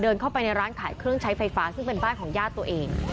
เดินเข้าไปในร้านขายเครื่องใช้ไฟฟ้าซึ่งเป็นบ้านของญาติตัวเอง